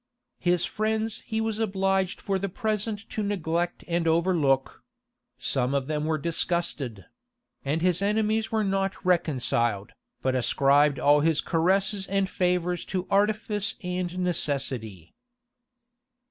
[] His friends he was obliged for the present to neglect and overlook: some of them were disgusted; and his enemies were not reconciled, but ascribed all his caresses and favors to artifice and necessity.